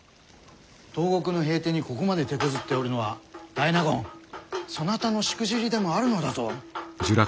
東国の平定にここまでてこずっておるのは大納言そなたのしくじりでもあるのだぞ！